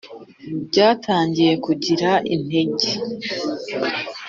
byatangiye kugira intege